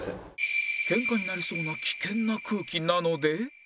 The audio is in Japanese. ケンカになりそうな危険な空気なので